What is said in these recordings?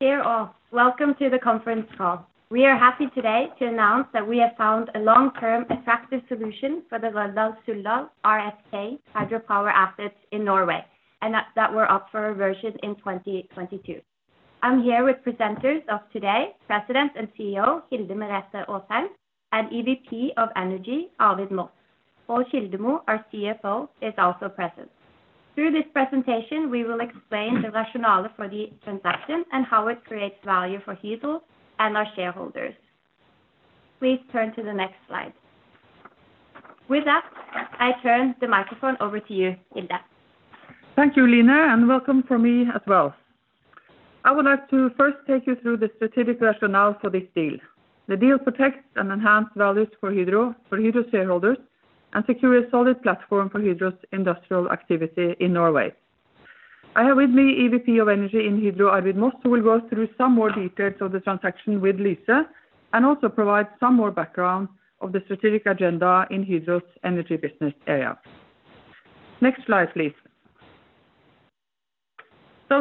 Dear all, welcome to the conference call. We are happy today to announce that we have found a long-term attractive solution for the Røldal-Suldal, RSK, hydropower assets in Norway, that were up for reversion in 2022. I'm here with presenters of today, President and CEO, Hilde Merete Aasheim, EVP of Energy, Arvid Moss. Pål Kildemo, our CFO, is also present. Through this presentation, we will explain the rationale for the transaction and how it creates value for Hydro and our shareholders. Please turn to the next slide. With that, I turn the microphone over to you, Hilde. Thank you, Line, and welcome from me as well. I would like to first take you through the strategic rationale for this deal. The deal protects and enhance values for Hydro, for Hydro shareholders, and secure a solid platform for Hydro's industrial activity in Norway. I have with me EVP of Energy in Hydro, Arvid Moss, who will go through some more details of the transaction with Lyse, and also provide some more background of the strategic agenda in Hydro's Energy business area. Next slide, please.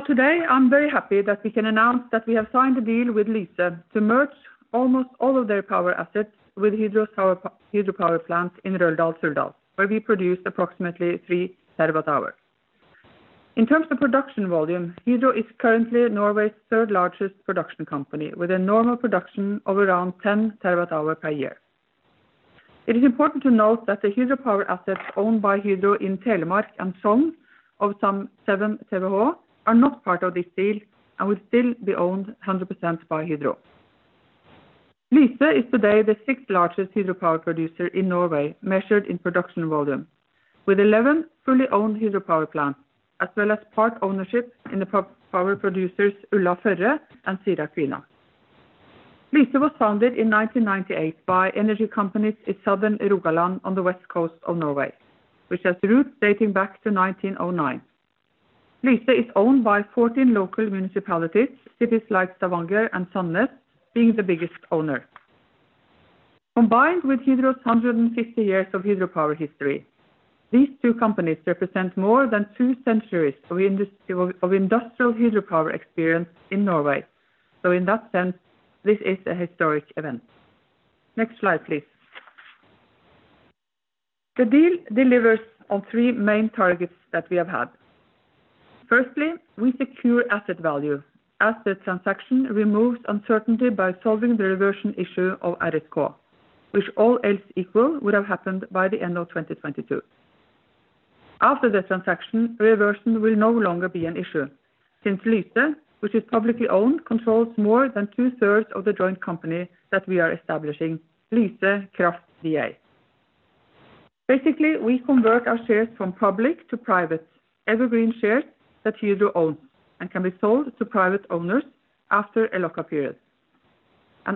Today, I am very happy that we can announce that we have signed a deal with Lyse to merge almost all of their power assets with Hydro power plant in Røldal-Suldal, where we produce approximately 3 TWh. In terms of production volume, Hydro is currently Norway's third-largest production company, with a normal production of around 10 TWh per year. It is important to note that the hydropower assets owned by Hydro in Telemark and Sogn, of some 7 TWh, are not part of this deal and will still be owned 100% by Hydro. Lyse is today the sixth-largest hydropower producer in Norway, measured in production volume, with 11 fully owned hydropower plants, as well as part ownership in the power producers Ulla-Førre and Sira-Kvina. Lyse was founded in 1998 by energy companies in Southern Rogaland on the west coast of Norway, which has roots dating back to 1909. Lyse is owned by 14 local municipalities, cities like Stavanger and Sandnes being the biggest owner. Combined with Hydro's 150 years of hydropower history, these two companies represent more than two centuries of industrial hydropower experience in Norway. In that sense, this is a historic event. Next slide, please. The deal delivers on three main targets that we have had. Firstly, we secure asset value, as the transaction removes uncertainty by solving the reversion issue of RSK, which all else equal, would have happened by the end of 2022. After the transaction, reversion will no longer be an issue, since Lyse, which is publicly owned, controls more than two-thirds of the joint company that we are establishing, Lyse Kraft DA. Basically, we convert our shares from public to private, evergreen shares that Hydro owns and can be sold to private owners after a lock-up period.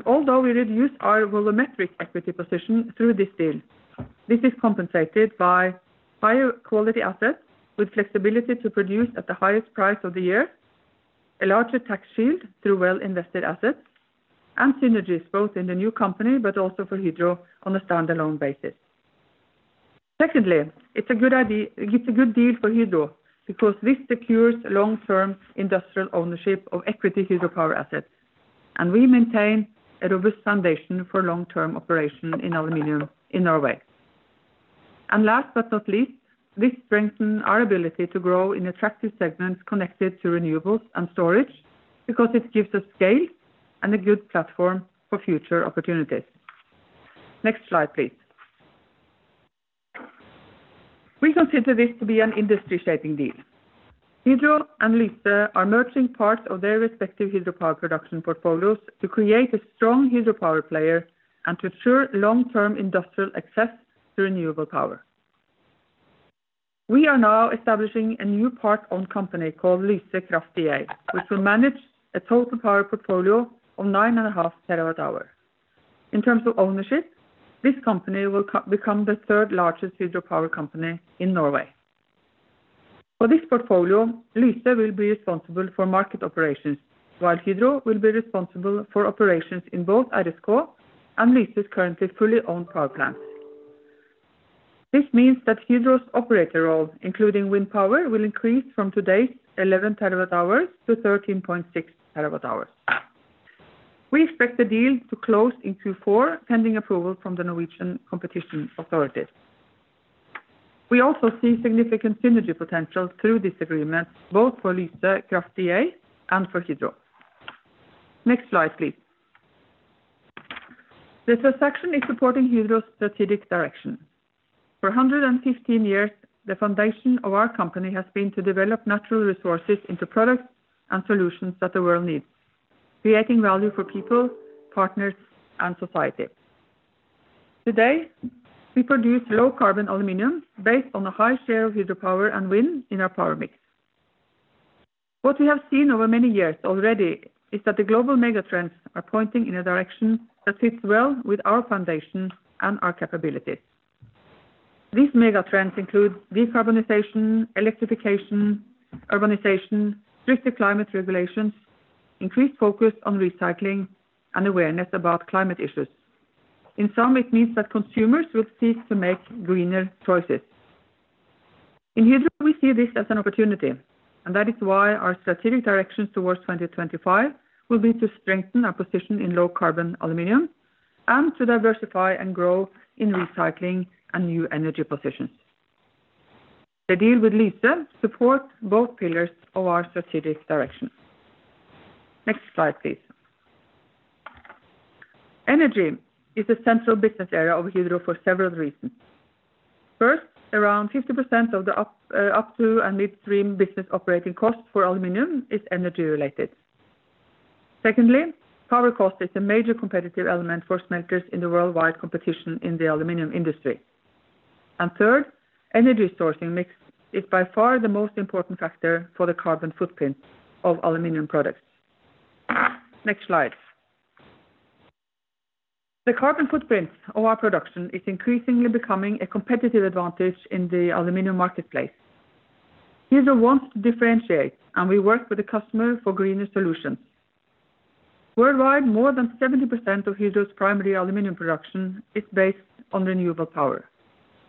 Although we reduce our volumetric equity position through this deal, this is compensated by higher quality assets with flexibility to produce at the highest price of the year, a larger tax shield through well invested assets, and synergies, both in the new company, but also for Hydro on a standalone basis. Secondly, it's a good deal for Hydro because this secures long-term industrial ownership of equity hydropower assets, and we maintain a robust foundation for long-term operation in aluminum in Norway. Last but not least, this strengthen our ability to grow in attractive segments connected to renewables and storage because it gives us scale and a good platform for future opportunities. Next slide, please. We consider this to be an industry-shaping deal. Hydro and Lyse are merging parts of their respective hydropower production portfolios to create a strong hydropower player and to ensure long-term industrial access to renewable power. We are now establishing a new part-owned company called Lyse Kraft DA, which will manage a total power portfolio of 9.5 TWh. In terms of ownership, this company will become the third-largest hydropower company in Norway. For this portfolio, Lyse will be responsible for market operations, while Hydro will be responsible for operations in both RSK and Lyse's currently fully owned power plants. This means that Hydro's operator role, including wind power, will increase from today's 11 TWh to 13.6 TWh. We expect the deal to close in Q4, pending approval from the Norwegian competition authorities. We also see significant synergy potential through this agreement, both for Lyse Kraft DA and for Hydro. Next slide, please. This transaction is supporting Hydro's strategic direction. For 115 years, the foundation of our company has been to develop natural resources into products and solutions that the world needs, creating value for people, partners, and society. Today, we produce low-carbon aluminium based on a high share of hydropower and wind in our power mix. What we have seen over many years already is that the global mega trends are pointing in a direction that fits well with our foundation and our capabilities. These mega trends include decarbonization, electrification, urbanization, stricter climate regulations, increased focus on recycling, and awareness about climate issues. In sum, it means that consumers will seek to make greener choices. In Hydro, we see this as an opportunity, and that is why our strategic direction towards 2025 will be to strengthen our position in low-carbon aluminium and to diversify and grow in recycling and new energy positions. The deal with Lyse supports both pillars of our strategic direction. Next slide, please. Energy is a central business area of Hydro for several reasons. First, around 50% of the upstream and midstream business operating cost for aluminium is energy-related. Secondly, power cost is a major competitive element for smelters in the worldwide competition in the aluminum industry. Third, energy sourcing mix is by far the most important factor for the carbon footprint of aluminum products. Next slide. The carbon footprint of our production is increasingly becoming a competitive advantage in the aluminum marketplace. Hydro wants to differentiate, and we work with the customer for greener solutions. Worldwide, more than 70% of Hydro's primary aluminum production is based on renewable power.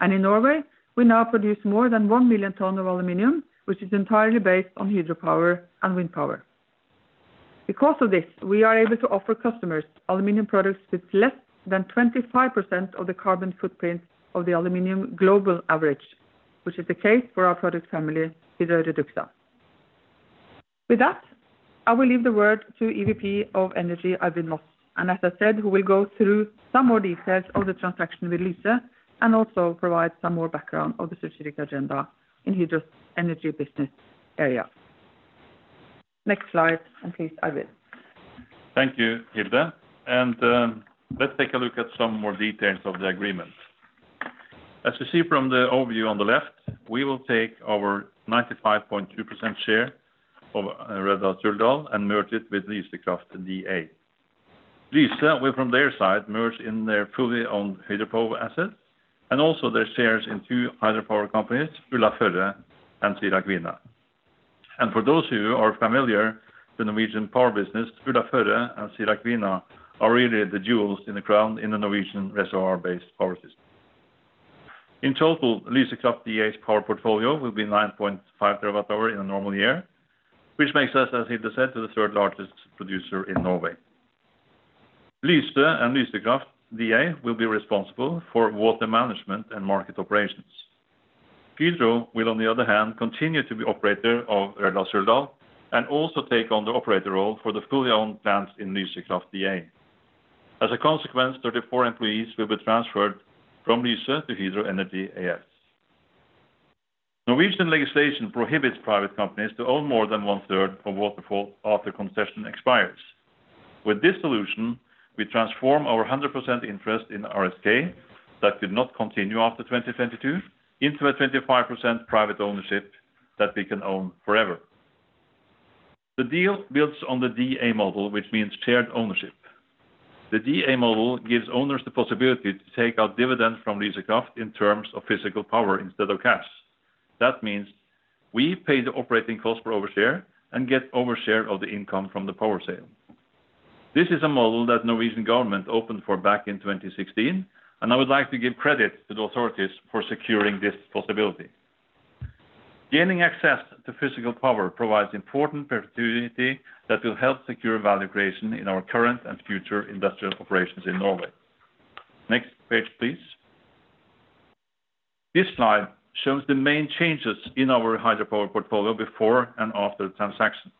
In Norway, we now produce more than 1 million tons of aluminum, which is entirely based on hydropower and wind power. Because of this, we are able to offer customers aluminum products with less than 25% of the carbon footprint of the aluminum global average, which is the case for our product family, Hydro REDUXA. With that, I will leave the word to EVP of Energy, Arvid Moss. As I said, who will go through some more details of the transaction with Lyse and also provide some more background of the strategic agenda in Hydro's Energy business area. Next slide, and please, Arvid. Thank you, Hilde. Let's take a look at some more details of the agreement. As you see from the overview on the left, we will take our 95.2% share of Røldal-Suldal and merge it with Lyse Kraft DA. Lyse will, from their side, merge in their fully owned hydropower assets and also their shares in two hydropower companies, Ulla-Førre and Sira-Kvina. For those who are familiar with Norwegian power business, Ulla-Førre and Sira-Kvina are really the jewels in the crown in the Norwegian reservoir-based power system. In total, Lyse Kraft DA's power portfolio will be 9.5 TWh in a normal year, which makes us, as Hilde said, the third-largest producer in Norway. Lyse and Lyse Kraft DA will be responsible for water management and market operations. Hydro will, on the other hand, continue to be operator of Røldal-Suldal and also take on the operator role for the fully owned plants in Lyse Kraft DA. As a consequence, 34 employees will be transferred from Lyse to Hydro Energi AS. Norwegian legislation prohibits private companies to own more than one-third of waterfall after concession expires. With this solution, we transform our 100% interest in RSK that could not continue after 2022 into a 25% private ownership that we can own forever. The deal builds on the DA model, which means shared ownership. The DA model gives owners the possibility to take out dividends from Lyse Kraft in terms of physical power instead of cash. That means we pay the operating cost per overshare and get our share of the income from the power sale. This is a model that Norwegian government opened for back in 2016, and I would like to give credit to the authorities for securing this possibility. Gaining access to physical power provides important perpetuity that will help secure value creation in our current and future industrial operations in Norway. Next page, please. This slide shows the main changes in our hydropower portfolio before and after the transaction.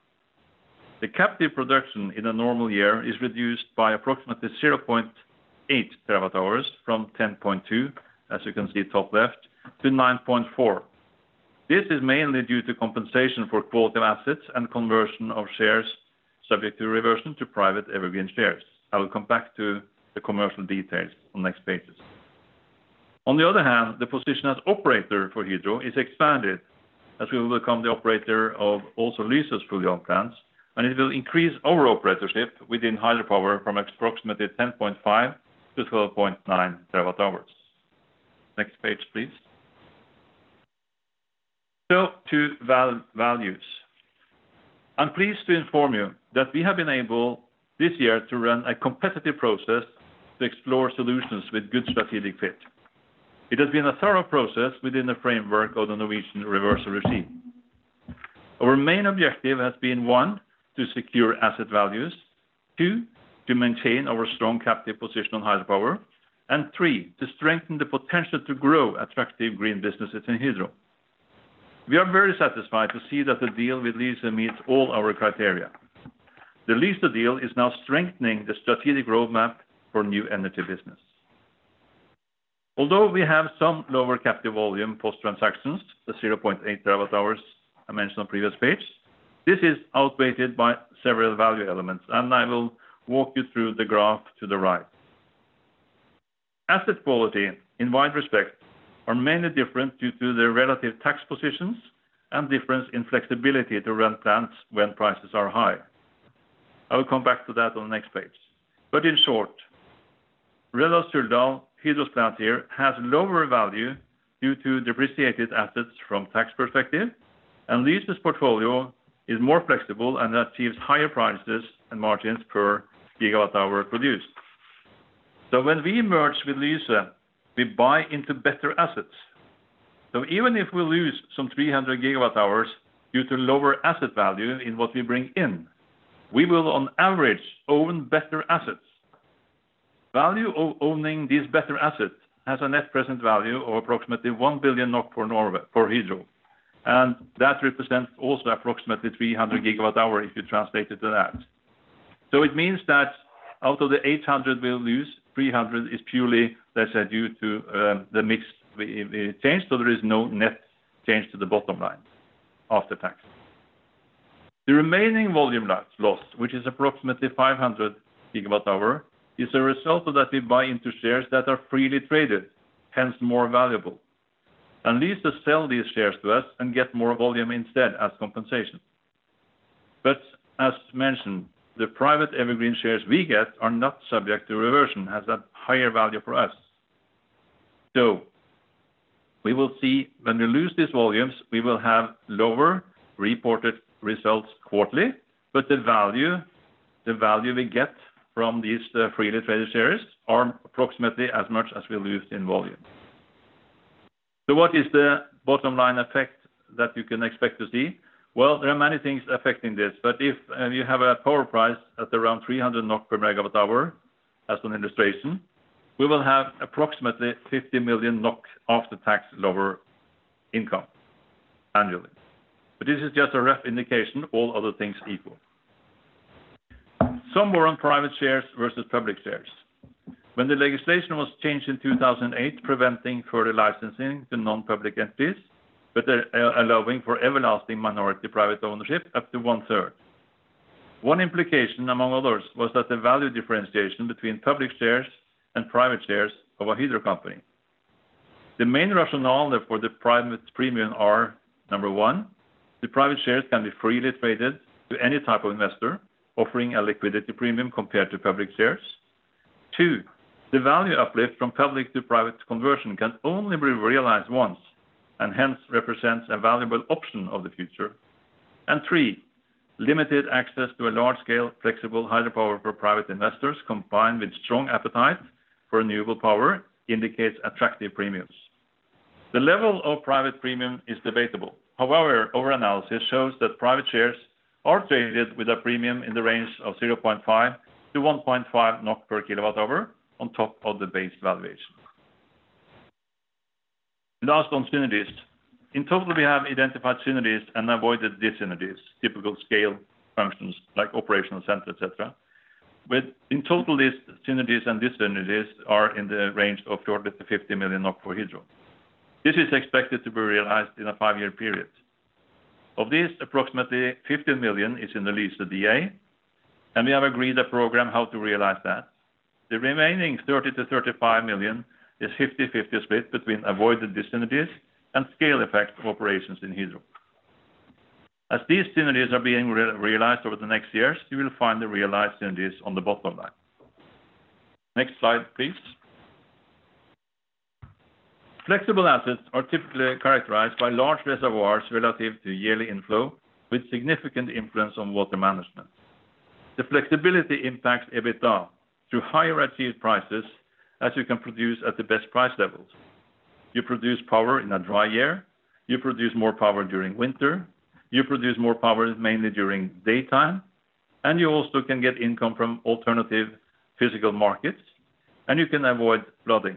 The captive production in a normal year is reduced by approximately 0.8 TWh from 10.2 TWh, as you can see top left, to 9.4 TWh. This is mainly due to compensation for quota assets and conversion of shares subject to reversion to private evergreen shares. I will come back to the commercial details on next pages. On the other hand, the position as operator for Hydro is expanded as we will become the operator of also Lyse's fully owned plants, and it will increase our operatorship within hydropower from approximately 10.5 TWh to 12.9 TWh. Next page, please. To values. I'm pleased to inform you that we have been able this year to run a competitive process to explore solutions with good strategic fit. It has been a thorough process within the framework of the Norwegian reversion regime. Our main objective has been, one, to secure asset values, two, to maintain our strong captive position on hydropower, and three, to strengthen the potential to grow attractive green businesses in Hydro. We are very satisfied to see that the deal with Lyse meets all our criteria. The Lyse deal is now strengthening the strategic roadmap for new Energy business. Although we have some lower captive volume post-transactions, the 0.8 TWh I mentioned on previous page, this is outweighed by several value elements, and I will walk you through the graph to the right. Asset quality in wide respect are mainly different due to their relative tax positions and difference in flexibility to run plants when prices are high. I will come back to that on the next page. In short, Røldal-Suldal, Hydro's plant here, has lower value due to depreciated assets from tax perspective, and Lyse's portfolio is more flexible and achieves higher prices and margins per gigawatt-hour produced. When we merge with Lyse, we buy into better assets. Even if we lose some 300 GWh due to lower asset value in what we bring in, we will on average own better assets. Value of owning these better assets has a net present value of approximately 1 billion NOK for Hydro. That represents also approximately 300 GWh if you translate it to that. It means that out of the 800 GWh we'll lose, 300 GWh is purely, let's say, due to the mix change, so there is no net change to the bottom line after tax. The remaining volume loss, which is approximately 500 GWh, is a result of that we buy into shares that are freely traded, hence more valuable. Lyse sell these shares to us and get more volume instead as compensation. As mentioned, the private evergreen shares we get are not subject to reversion, has that higher value for us. We will see when we lose these volumes, we will have lower reported results quarterly, but the value we get from these freely traded shares are approximately as much as we lose in volume. What is the bottom-line effect that you can expect to see? There are many things affecting this, but if you have a power price at around 300 NOK/MWh, as an illustration, we will have approximately 50 million NOK after-tax lower income annually. This is just a rough indication, all other things equal. Some more on private shares versus public shares. When the legislation was changed in 2008, preventing further licensing to non-public entities, but allowing for everlasting minority private ownership up to one-third. One implication, among others, was that the value differentiation between public shares and private shares of a Hydro company. The main rationale, therefore, the private premium are, number one, the private shares can be freely traded to any type of investor, offering a liquidity premium compared to public shares. Two, the value uplift from public to private conversion can only be realized once, and hence represents a valuable option of the future. Three, limited access to a large-scale flexible hydropower for private investors combined with strong appetite for renewable power indicates attractive premiums. The level of private premium is debatable. Our analysis shows that private shares are traded with a premium in the range of 0.5-1.5 NOK/KWh on top of the base valuation. Last on synergies. In total, we have identified synergies and avoided dyssynergies, typical scale functions like operational center, et cetera. In total, these synergies and dyssynergies are in the range of 450 million NOK for Hydro. This is expected to be realized in a five-year period. Of this, approximately 50 million is in the Lyse DA, and we have agreed a program how to realize that. The remaining 30 million-35 million is 50/50 split between avoided dyssynergies and scale effects of operations in Hydro. As these synergies are being realized over the next years, you will find the realized synergies on the bottom line. Next slide, please. Flexible assets are typically characterized by large reservoirs relative to yearly inflow, with significant influence on water management. The flexibility impacts EBITDA through higher achieved prices, as you can produce at the best price levels. You produce power in a dry year, you produce more power during winter, you produce more power mainly during daytime, and you also can get income from alternative physical markets, and you can avoid flooding.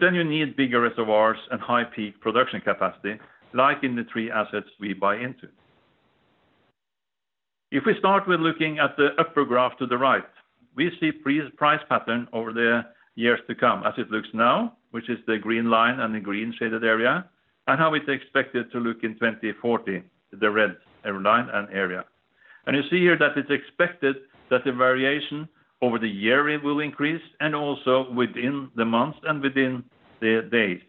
You need bigger reservoirs and high peak production capacity, like in the three assets we buy into. If we start with looking at the upper graph to the right, we see pre-price pattern over the years to come as it looks now, which is the green line and the green shaded area, and how it's expected to look in 2040, the red line and area. You see here that it's expected that the variation over the year will increase, and also within the months and within the days.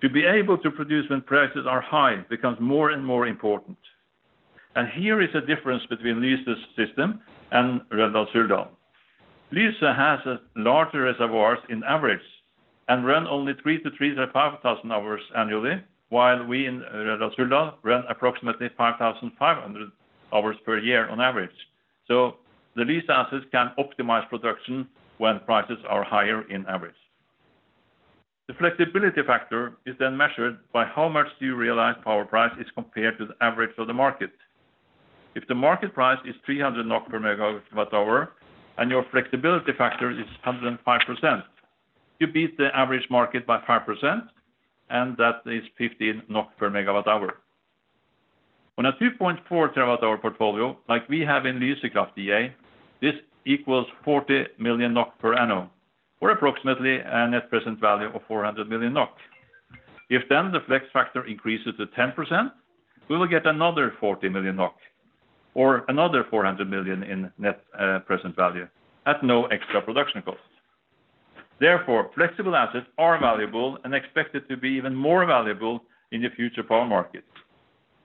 To be able to produce when prices are high becomes more and more important. Here is a difference between Lyse's system and Røldal-Suldal. Lyse has larger reservoirs on average and run only 3,000-3,500 hours annually, while we in Røldal-Suldal run approximately 5,500 hours per year on average. The Lyse assets can optimize production when prices are higher on average. The flexibility factor is measured by how much do you realize power price is compared to the average of the market. If the market price is 300 NOK/MWh and your flexibility factor is 105%, you beat the average market by 5%, and that is 15 NOK/MWh. On a 2.4 TWh portfolio like we have in Lyse Kraft DA, this equals 40 million NOK per annum, or approximately a net present value of 400 million NOK. If the flex factor increases to 10%, we will get another 40 million NOK or another 400 million in net present value at no extra production cost. Flexible assets are valuable and expected to be even more valuable in the future power markets.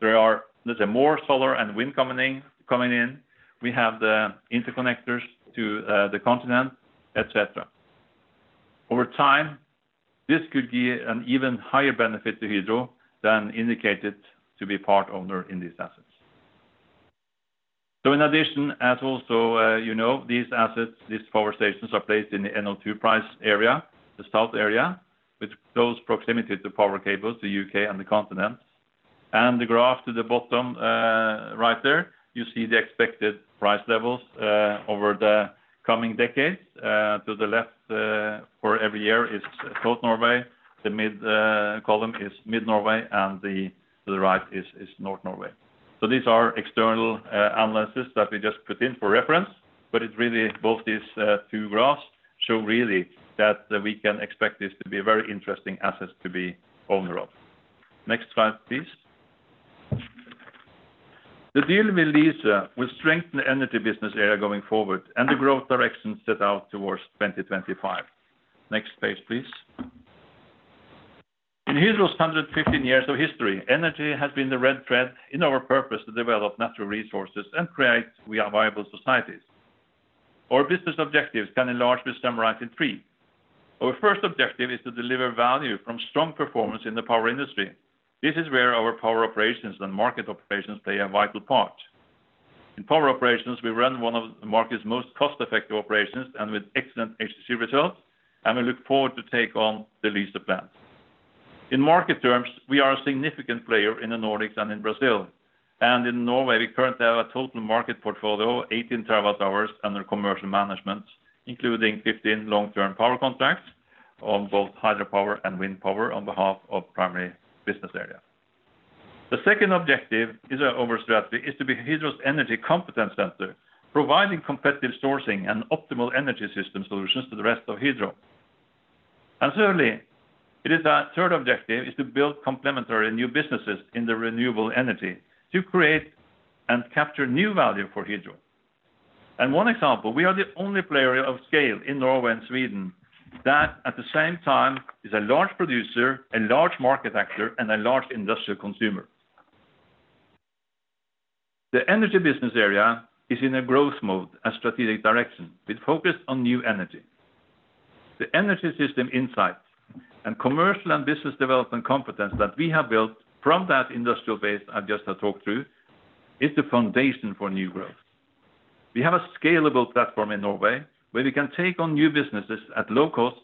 There are, let's say, more solar and wind coming in. We have the interconnectors to the continent, et cetera. Over time, this could give an even higher benefit to Hydro than indicated to be part owner in these assets. In addition, as also you know, these assets, these power stations are placed in the NO2 price area, the south area, with close proximity to power cables, the U.K. and the continent. The graph to the bottom, right there, you see the expected price levels over the coming decades. To the left, for every year is South Norway, the mid column is Mid Norway, and to the right is North Norway. These are external analyses that we just put in for reference. It really, both these two graphs show really that we can expect this to be a very interesting asset to be owner of. Next slide, please. The deal with Lyse will strengthen the energy business area going forward and the growth direction set out towards 2025. Next page, please. In Hydro's 115 years of history, energy has been the red thread in our purpose to develop natural resources and create viable societies. Our business objectives can largely be summarized in three. Our first objective is to deliver value from strong performance in the power industry. This is where our power operations and market operations play a vital part. In power operations, we run one of the market's most cost-effective operations and with excellent HSE results, and we look forward to take on the Lyse plants. In market terms, we are a significant player in the Nordics and in Brazil. In Norway, we currently have a total market portfolio, 18 TWh under commercial management, including 15 long-term power contracts on both hydropower and wind power on behalf of primary business area. The second objective in our strategy is to be Hydro's energy competence center, providing competitive sourcing and optimal energy system solutions to the rest of Hydro. Certainly, it is that third objective is to build complementary new businesses in the renewable energy to create and capture new value for Hydro. One example, we are the only player of scale in Norway and Sweden that at the same time is a large producer, a large market actor, and a large industrial consumer. The Energy business area is in a growth mode and strategic direction with focus on new energy. The energy system insight and commercial and business development competence that we have built from that industrial base I just have talked through, is the foundation for new growth. We have a scalable platform in Norway where we can take on new businesses at low cost,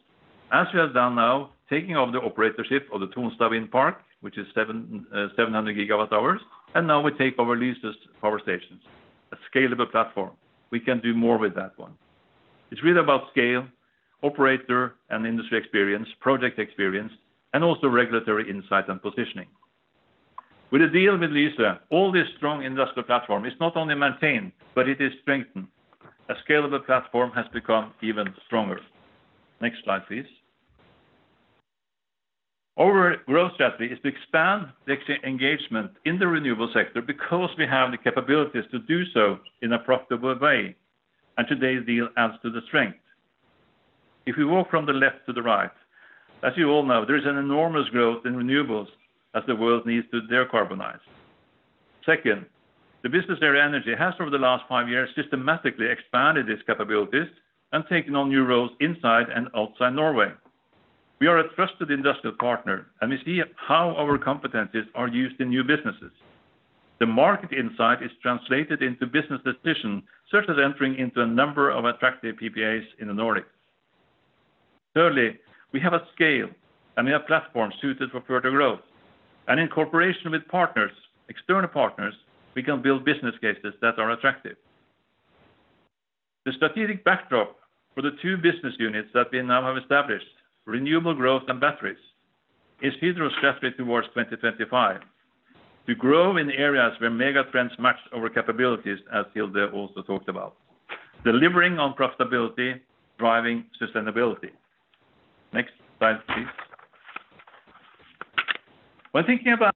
as we have done now, taking over the operatorship of the Tonstad wind park, which is 700 GWh, and now we take over Lyse's power stations, a scalable platform. We can do more with that one. It's really about scale, operator, and industry experience, project experience, and also regulatory insight and positioning. With the deal with Lyse, all this strong industrial platform is not only maintained, but it is strengthened. A scalable platform has become even stronger. Next slide, please. Our growth strategy is to expand the engagement in the renewable sector because we have the capabilities to do so in a profitable way, and today's deal adds to the strength. If we walk from the left to the right, as you all know, there is an enormous growth in renewables as the world needs to decarbonize. Second, the business area energy has over the last five years systematically expanded its capabilities and taken on new roles inside and outside Norway. We are a trusted industrial partner, and we see how our competencies are used in new businesses. The market insight is translated into business decisions, such as entering into a number of attractive PPAs in the Nordics. Thirdly, we have a scale, and we have platforms suited for further growth. In cooperation with partners, external partners, we can build business cases that are attractive. The strategic backdrop for the two business units that we now have established, renewable growth and batteries, is Hydro's strategy towards 2025. To grow in areas where megatrends match our capabilities, as Hilde also talked about. Delivering on profitability, driving sustainability. Next slide, please. When thinking about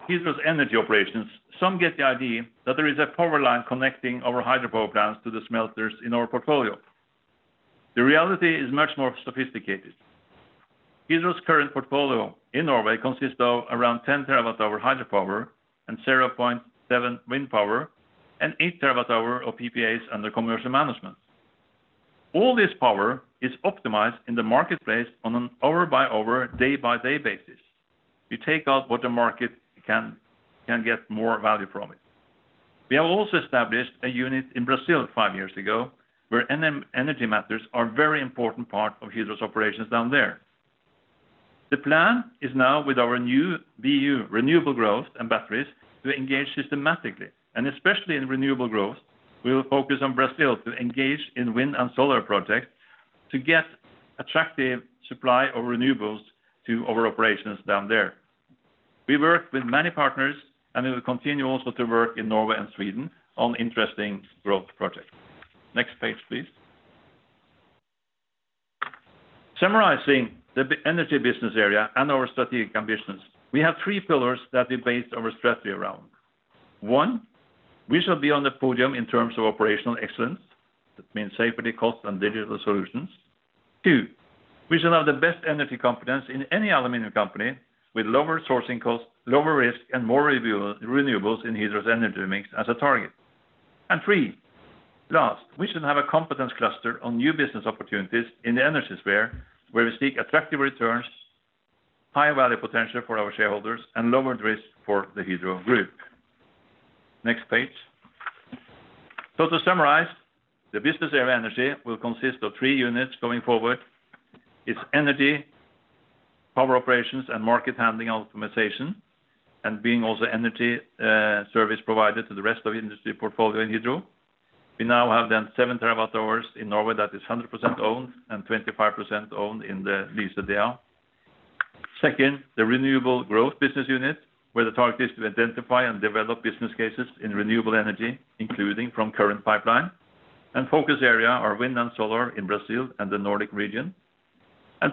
Hydro's energy operations, some get the idea that there is a power line connecting our hydropower plants to the smelters in our portfolio. The reality is much more sophisticated. Hydro's current portfolio in Norway consists of around 10 TWh hydropower and 0.7 TWh wind power, and 8 TWh of PPAs under commercial management. All this power is optimized in the marketplace on an hour-by-hour, day-by-day basis. We take out what the market can get more value from it. We have also established a unit in Brazil five years ago, where energy matters are very important part of Hydro's operations down there. The plan is now with our new BU, renewable growth and batteries, to engage systematically. Especially in renewable growth, we will focus on Brazil to engage in wind and solar projects to get attractive supply of renewables to our operations down there. We work with many partners, and we will continue also to work in Norway and Sweden on interesting growth projects. Next page, please. Summarizing the energy business area and our strategic ambitions, we have three pillars that we based our strategy around. One, we shall be on the podium in terms of operational excellence. That means safety, cost, and digital solutions. Two, we shall have the best energy competence in any aluminum company with lower sourcing costs, lower risk, and more renewables in Hydro's energy mix as a target. Three, last, we should have a competence cluster on new business opportunities in the energy sphere where we seek attractive returns, high-value potential for our shareholders, and lower risk for the Hydro group. Next page. To summarize, the business area energy will consist of three units going forward. It's energy, power operations, and market handling optimization, and being also energy service provider to the rest of the industry portfolio in Hydro. We now have then 7 TWh in Norway that is 100% owned and 25% owned in the Lyse deal. Second, the renewable growth business unit, where the target is to identify and develop business cases in renewable energy, including from current pipeline. Focus area are wind and solar in Brazil and the Nordic region.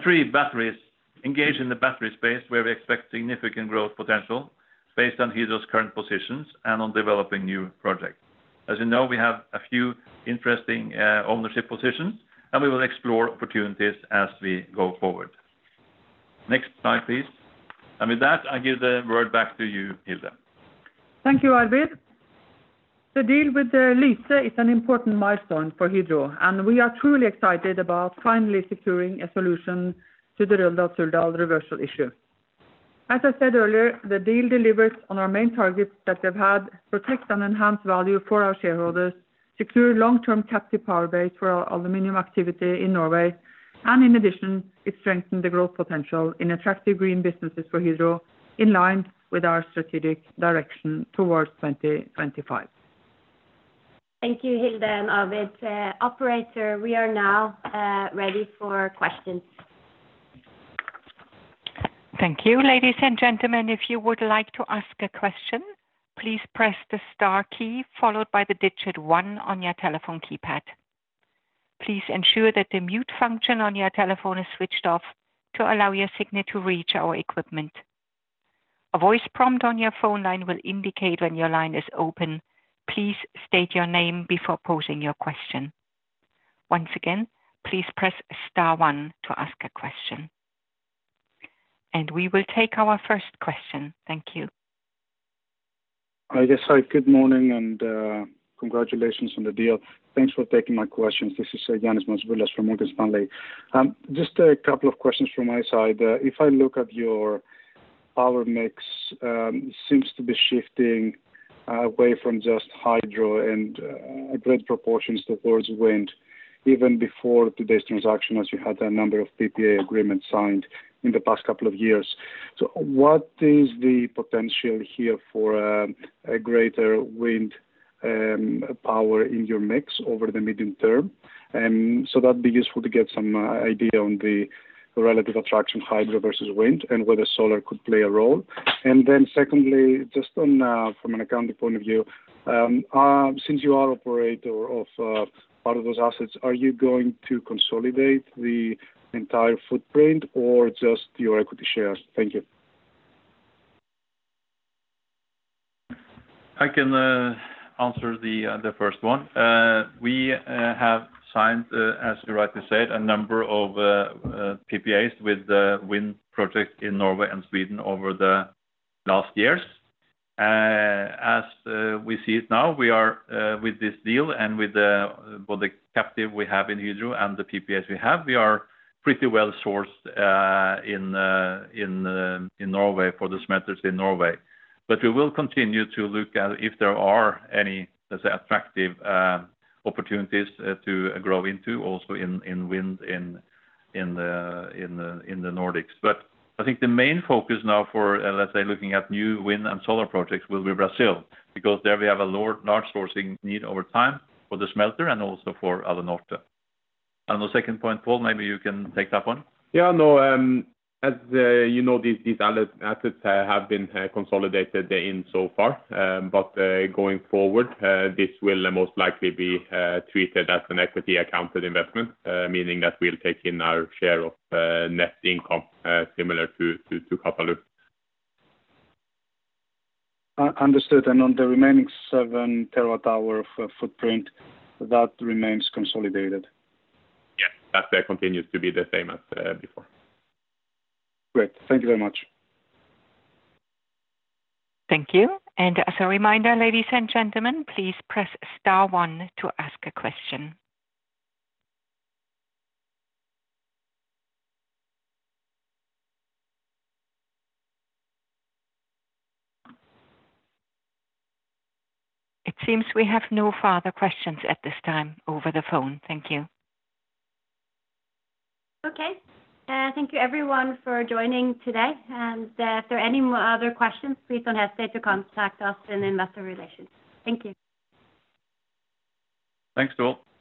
Three, batteries. Engaged in the battery space where we expect significant growth potential based on Hydro's current positions and on developing new projects. As you know, we have a few interesting ownership positions, and we will explore opportunities as we go forward. Next slide, please. With that, I give the word back to you, Hilde. Thank you, Arvid. The deal with Lyse is an important milestone for Hydro, and we are truly excited about finally securing a solution to the Røldal-Suldal reversion issue. As I said earlier, the deal delivers on our main targets that we've had, protect and enhance value for our shareholders, secure long-term captive power base for our aluminum activity in Norway, and in addition, it strengthened the growth potential in attractive green businesses for Hydro in line with our strategic direction towards 2025. Thank you, Hilde and Arvid. Operator, we are now ready for questions. Thank you. Ladies and gentlemen, if you would like to ask a question, please press the star key followed by the digit one on your telephone keypad. Please ensure that the mute function on your telephone is switched off to allow your signal to reach our equipment. A voice prompt on your phone line will indicate when your line is open. Please state your name before posing your question. Once again, please press star one to ask a question. And we will take our first question. Thank you. Hi. Yes, hi, good morning. Congratulations on the deal. Thanks for taking my questions. This is Ioannis Masvoulas from Morgan Stanley. Just a couple of questions from my side. If I look at your power mix, seems to be shifting away from just hydro and great proportions towards wind even before today's transaction, as you had a number of PPA agreements signed in the past couple of years. What is the potential here for a greater wind power in your mix over the medium term? That would be useful to get some idea on the relative attraction hydro versus wind and whether solar could play a role. Secondly, just from an accounting point of view, since you are operator of part of those assets, are you going to consolidate the entire footprint or just your equity shares? Thank you. I can answer the first one. We have signed, as you rightly said, a number of PPAs with wind projects in Norway and Sweden over the last years. As we see it now, with this deal and with both the captive we have in Hydro and the PPAs we have, we are pretty well sourced in Norway for the smelters in Norway. We will continue to look at if there are any, let's say, attractive opportunities to grow into also in wind in the Nordics. I think the main focus now for, let's say, looking at new wind and solar projects will be Brazil, because there we have a large sourcing need over time for the smelter and also for Alunorte. The second point, Pål, maybe you can take that one. Yeah, as you know, these assets have been consolidated in so far. Going forward, this will most likely be treated as an equity accounted investment, meaning that we'll take in our share of net income similar to. Understood. On the remaining 7 TWh of footprint, that remains consolidated? Yeah. That continues to be the same as before. Great. Thank you very much. Thank you. As a reminder, ladies and gentlemen, please press star one to ask a question. It seems we have no further questions at this time over the phone. Thank you. Okay. Thank you everyone for joining today. If there are any other questions, please don't hesitate to contact us in Investor Relations. Thank you. Thank you all.